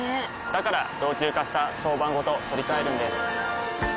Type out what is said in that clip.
から老朽化した床版ごと取り替えるんです。